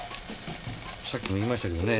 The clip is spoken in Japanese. さっきも言いましたけどね